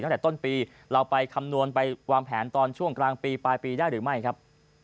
ตั้งแต่ต้นปีเราไปคำนวณไปวางแผนตอนช่วงกลางปีปลายปีได้หรือไม่ครับ